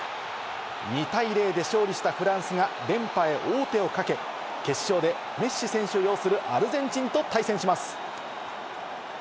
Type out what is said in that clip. ２対０で勝利したフランスが連覇へ王手をかけ、決勝でメッシ選手擁するアルゼンチンと対戦します。